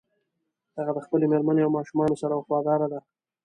هغه د خپلې مېرمنې او ماشومانو سره وفاداره ده